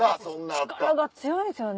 力が強いんですよね